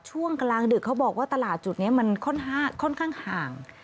ช่วงกลางดึกเขาบอกว่าตลาดจุดนี้มันค่อนข้างห่าง